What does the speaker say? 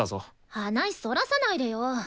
話そらさないでよ。